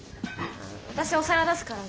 私お皿出すから飲み物。